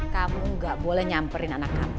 kamu gak boleh nyamperin anak kamu